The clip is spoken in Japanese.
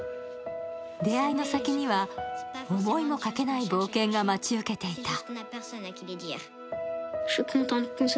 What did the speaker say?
出会いの先には思いもかけない冒険が待ち受けていた。